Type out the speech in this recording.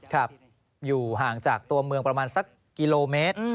ครับอยู่ห่างจากตัวเมืองประมาณสักกิโลเมตร